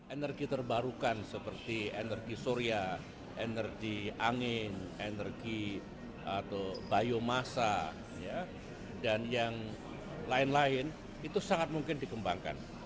energi terbarukan seperti energi surya energi angin energi atau biomasa dan yang lain lain itu sangat mungkin dikembangkan